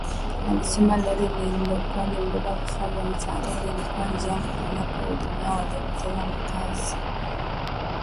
Alisema lori lililokuwa limebeba vifaa vya msaada lilikuwa njiani kwenda kuwahudumia waliopoteza makazi